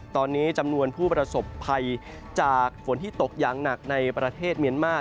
ตอนนี้จำนวนผู้ประสบภัยจากฝนที่ตกอย่างหนักในประเทศเมียนมาร์